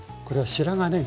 白髪ねぎ